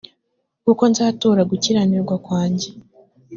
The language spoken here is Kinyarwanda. kuko nzatura gukiranirwa kwanjye